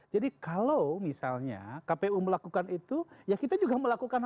jadi kalau misalnya kpu melakukan itu ya kita juga bisa melakukan